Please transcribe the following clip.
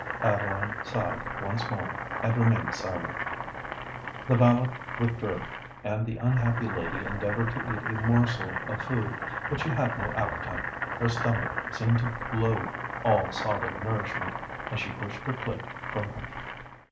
Adeline sighed once more, and remained silent. The valet withdrew; and the unhappy lady endeavoured to eat a morsel of food: but she had no appetite—her stomach seemed to loathe all solid nourishment; and she pushed her plate from her.